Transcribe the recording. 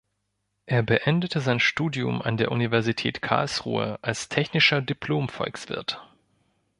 Er beendete sein Studium an der Universität Karlsruhe als Technischer Diplom-Volkswirt.